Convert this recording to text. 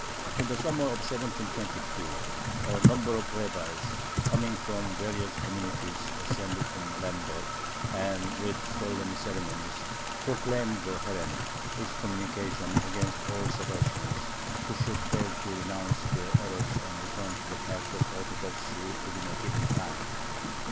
In the summer of 1722, a number of rabbis, coming from various communities, assembled in Lemberg, and, with solemn ceremonies, proclaimed the herem (excommunication) against all Sabbatians who should fail to renounce their errors and return to the path of Orthodoxy within a given time.